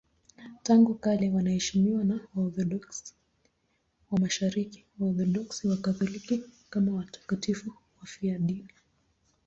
Tangu kale wanaheshimiwa na Waorthodoksi wa Mashariki, Waorthodoksi na Wakatoliki kama watakatifu wafiadini.